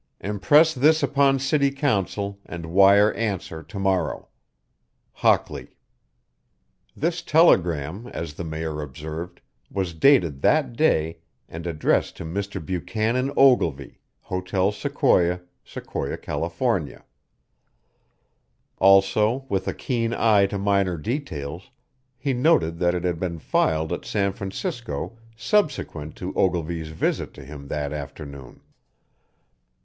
Impress this upon city council and wire answer to morrow. HOCKLEY. This telegram, as the Mayor observed, was dated that day and addressed to Mr. Buchanan Ogilvy, Hotel Sequoia, Sequoia, Calif. Also, with a keen eye to minor details, lie noted that it had been filed at San Francisco SUBSEQUENT to Ogilvy's visit to him that afternoon.